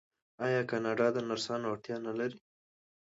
آیا کاناډا د نرسانو اړتیا نلري؟